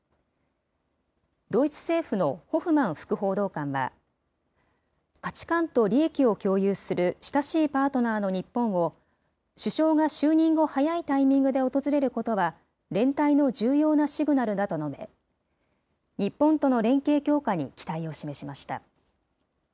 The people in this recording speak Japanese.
ドイツ政府のホフマン副報道官は、価値観と利益を共有する親しいパートナーの日本を、首相が就任後早いタイミングで訪れることは、連帯の重要なシグナルだと述べ、日本との連携強化に期待を示しました。